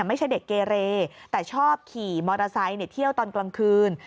ไม่ใช่เด็กเกเรแต่ชอบขี่มอเตอร์ไซค์เที่ยวตอนกลางคืน